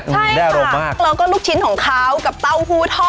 ใช่ค่ะแล้วก็ลูกชิ้นของเขากับเต้าหู้ทอด